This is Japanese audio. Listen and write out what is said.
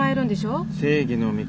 正義の味方。